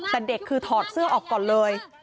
แต่เด็กคือทอดเสื้อออกไป